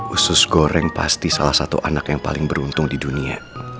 usus goreng pasti salah satu anak yang paling beruntung di dunia